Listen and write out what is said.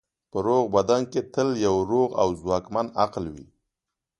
په روغ بدن کې تل یو روغ او ځواکمن عقل وي.